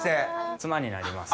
妻になります。